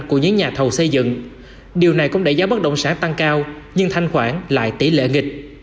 của những nhà thầu xây dựng điều này cũng đẩy giá bất động sản tăng cao nhưng thanh khoản lại tỷ lệ nghịch